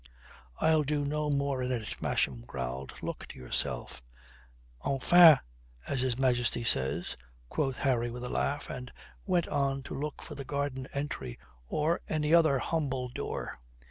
"I'll do no more in it," Masham growled. "Look to yourself." "Enfin, as His Majesty says," quoth Harry with a laugh, and went on to look for the garden entry or any other humble door.